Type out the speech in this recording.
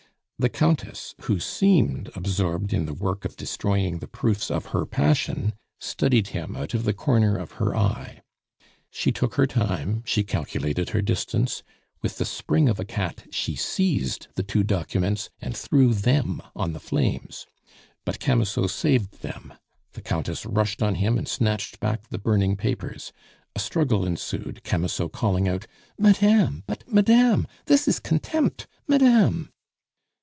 The Countess, who seemed absorbed in the work of destroying the proofs of her passion, studied him out of the corner of her eye. She took her time, she calculated her distance; with the spring of a cat she seized the two documents and threw them on the flames. But Camusot saved them; the Countess rushed on him and snatched back the burning papers. A struggle ensued, Camusot calling out: "Madame, but madame! This is contempt madame!"